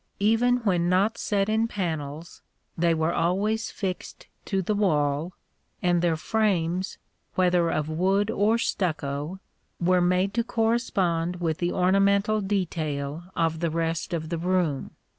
Even when not set in panels, they were always fixed to the wall, and their frames, whether of wood or stucco, were made to correspond with the ornamental detail of the rest of the room.